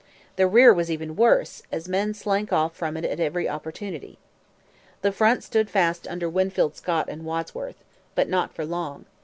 The rear was even worse, as men slank off from it at every opportunity. The front stood fast under Winfield Scott and Wadsworth. But not for long.